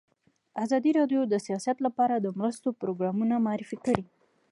ازادي راډیو د سیاست لپاره د مرستو پروګرامونه معرفي کړي.